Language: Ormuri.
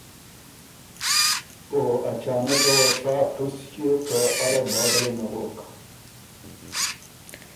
او اچانکه وه سا ټُس ݭیوک که اره باده له نغوک۔